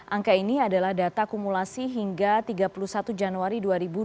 angka ini adalah data kumulasi hingga tiga puluh satu januari dua ribu dua puluh